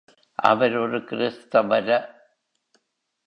அவர் ஒரு கிறிஸ்தவர